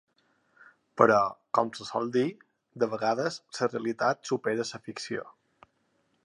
Però, com se sol dir, de vegades la realitat supera la ficció.